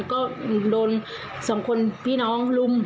ก็โดนสองคนพี่น้องรุม